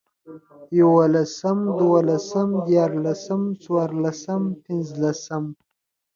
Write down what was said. يوولسم، دوولسم، ديارلسم، څلورلسم، پنځلسم